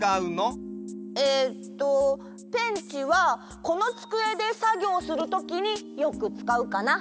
えっとペンチはこのつくえでさぎょうするときによくつかうかな。